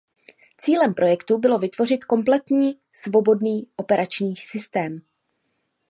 Cílem projektu bylo vytvořit kompletní svobodný operační systém.